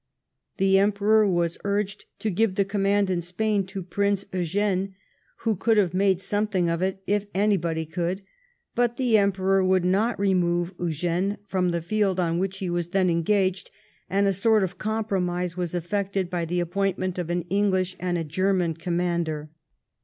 The Emperor was urged to give the command in Spain to Prince Eugene, who could have made something of it if anybody could, but the Emperor would not remove Eugene from the field on which he was then engaged, and a sort of compromise was effected by the appointment of an English and a German com mander.